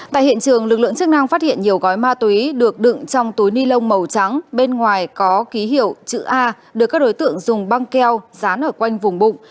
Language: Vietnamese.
tại hiện trường lực lượng chức năng phát hiện nhiều gói ma túy được đựng trong túi ni lông màu trắng bên ngoài có ký hiệu chữ a được các đối tượng dùng băng keo dán ở quanh vùng bụng